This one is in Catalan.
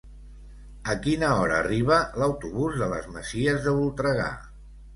A quina hora arriba l'autobús de les Masies de Voltregà?